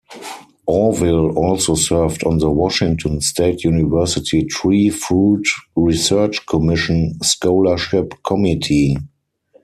Auvil also served on the Washington State University Tree Fruit Research Commission Scholarship Committee.